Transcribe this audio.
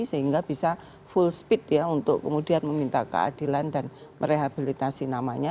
sehingga bisa full speed ya untuk kemudian meminta keadilan dan merehabilitasi namanya